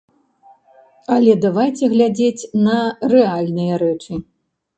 Але давайце глядзець на рэальныя рэчы.